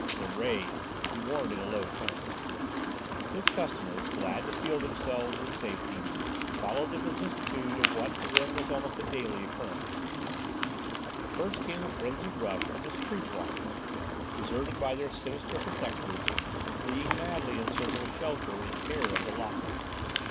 "The raid," he warned in a low tone. His customers, glad to feel themselves in safety, followed the vicissitudes of what to them was almost a daily occurrence. First came the frenzied rush of the "street walkers," deserted by their sinister protectors and fleeing madly in search of shelter in terror of the lock up.